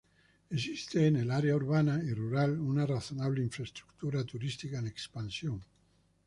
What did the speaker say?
Existe en el área urbana y rural una razonable infraestructura turística en expansión.